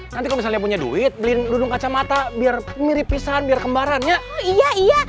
nanti kalau punya duit beli dudung kacamata biar mirip pisang biar kembarannya iya iya